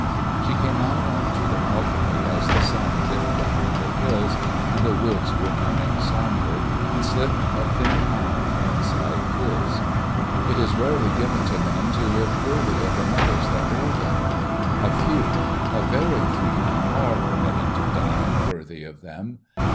She came out on to the balcony as the sun dipped behind the hills, and the woods were turning sombre, and slipped a thin arm inside his. It is rarely given to men to live worthy of the mothers that bore them; a few—a very few—are permitted to die worthy of them.